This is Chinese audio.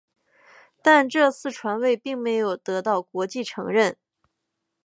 但这次传位并没有得到国际承认。